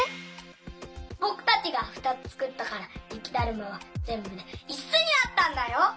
ぼくたちがふたつつくったからゆきだるまはぜんぶでいつつになったんだよ。